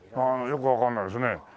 よくわかんないですね。